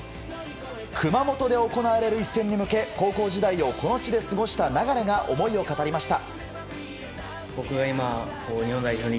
熊本で行われる一戦に向け高校時代をこの地で過ごした流が思いを語りました。